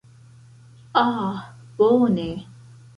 Ah bone.